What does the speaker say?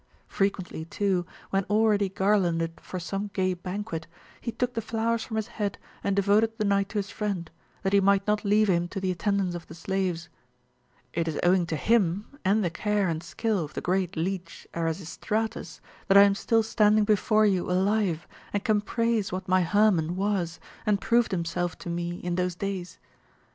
Frequently too, when already garlanded for some gay banquet, he took the flowers from his head and devoted the night to his friend, that he might not leave him to the attendance of the slaves. It is owing to him, and the care and skill of the great leech Erasistratus, that I am still standing before you alive and can praise what my Hermon was and proved himself to me in those days.